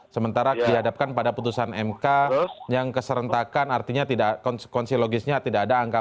sementara dihadapkan pada putusan mk yang keserentakan artinya konsekonsilogisnya tidak ada angka batas